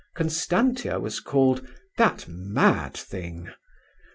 Constantia was called "that mad thing".